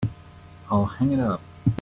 I'll hang it up.